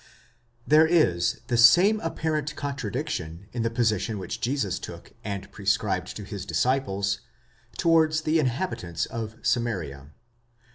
There is the same apparent contradiction in the position which Jesus took, and prescribed to his disciples, towards the inhabitants of Samaria.